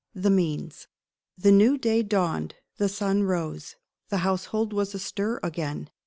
THE MEANS. THE new day dawned; the sun rose; the household was astir again.